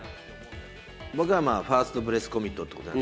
僕はファーストブレスコミットと。